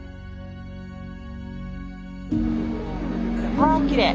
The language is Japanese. わあきれい。